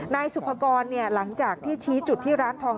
นายสุภกรหลังจากที่ชี้จุดที่ร้านทอง